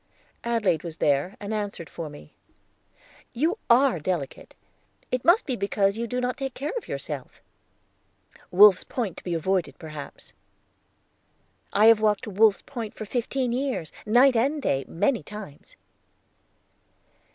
Adelaide was there, and answered for me. "You are delicate. It must be because you do not take care of yourself." "Wolf's Point to be avoided, perhaps!" "I have walked to Wolf's Point for fifteen years, night and day, many times."